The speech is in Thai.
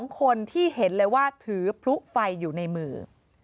๒คนที่เห็นเลยว่าถือพลุไฟอยู่ในมือ